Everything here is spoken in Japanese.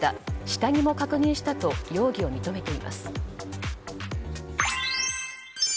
下着も確認したと容疑を認めています。